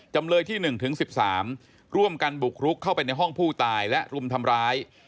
จำเลยที่๑ถึง๑๓ร่วมกันบุกรุกเข้าไปในห้องผู้ตายและรุมทำร้าย